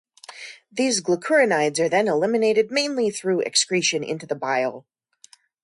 These glucuronides are then eliminated mainly through excretion into the bile.